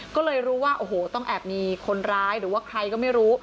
ก็เลยรู้ว่าโอ้โหต้องแอบมีคนร้ายหรือว่าใครก็ไม่รู้